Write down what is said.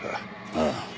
ああ。